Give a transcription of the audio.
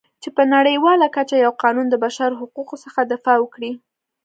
چې په نړیواله کچه یو قانون د بشرحقوقو څخه دفاع وکړي.